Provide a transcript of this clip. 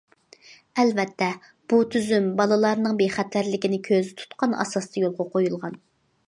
ئەلۋەتتە بۇ تۈزۈم بالىلارنىڭ بىخەتەرلىكىنى كۆزدە تۇتقان ئاساستا يولغا قويۇلغان.